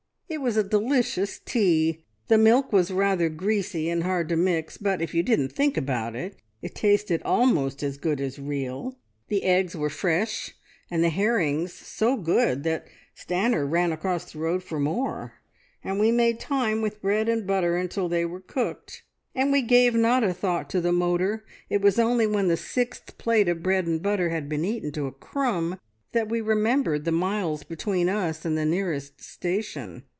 "It was a delicious tea. The milk was rather greasy and hard to mix, but if you didn't think about it, it tasted almost as good as real, the eggs were fresh, and the herrings so good that Stanor ran across the road for more, and we made time with bread and butter until they were cooked. And we gave not a thought to the motor; it was only when the sixth plate of bread and butter had been eaten to a crumb that we remembered the miles between us and the nearest station.